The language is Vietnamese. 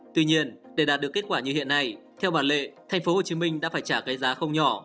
tuy nhiên để đạt được kết quả như hiện nay theo bản lệ tp hcm đã phải trả cái giá không nhỏ